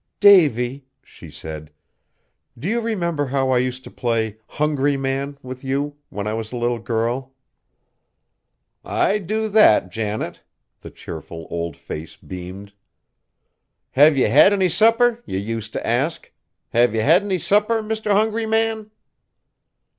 "Davy," she said, "do you remember how I used to play 'hungry man' with you, when I was a little girl?" "I do that, Janet!" The cheerful, old face beamed. "'Have ye had any supper?' yer use t' ask, 'have ye had any supper, Mr. Hungry Man?'"